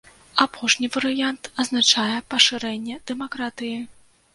Апошні варыянт азначае пашырэнне дэмакратыі.